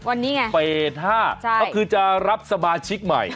วันนี้ไงเฟส๕ก็คือจะรับสมาชิกใหม่